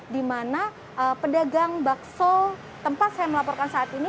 di mana pedagang bakso tempat saya melaporkan saat ini